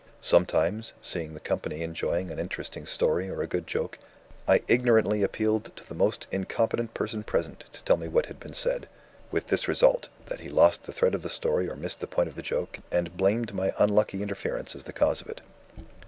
Sometimes, seeing the company enjoying an interesting story or a good joke, I ignorantly appealed to the most incompetent person present to tell me what had been said with this result, that he lost the thread of the story or missed the point of the joke, and blamed my unlucky interference as the cause of it.